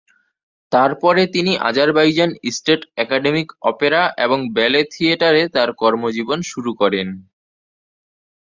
তারপরে তিনি Azerbaijan state academic opera এবং ব্যালে থিয়েটারে তার কর্মজীবন শুরু করেন।